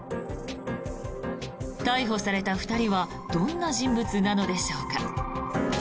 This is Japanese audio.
逮捕された２人はどんな人物なのでしょうか。